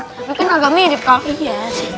tapi kan agak mirip kaki ya sih